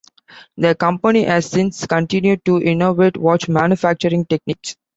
The company has since continued to innovate watch manufacturing techniques.